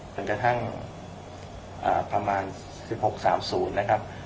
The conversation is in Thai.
ถึงกระทั่งอ่าประมาณสิบหกสามศูนย์นะครับ